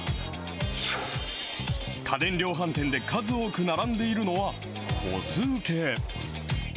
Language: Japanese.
家電量販店で数多く並んでいるのは、歩数計。